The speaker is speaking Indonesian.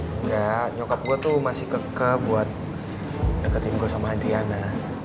enggak nyokap gue tuh masih keke buat deketin gue sama adiana